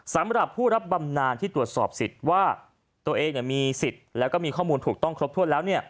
สำหรับผู้รับบำนานที่ตรวจสอบสิทธิ์ว่าตัวเองมีสิทธิ์แล้วก็มีข้อมูลถูกต้องครบถ้วนแล้ว